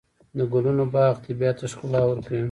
د ګلونو باغ طبیعت ته ښکلا ورکوي.